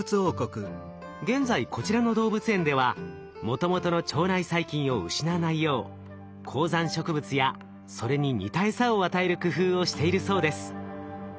現在こちらの動物園ではもともとの腸内細菌を失わないよう高山植物やそれに似たエサを与える工夫をしているそうです。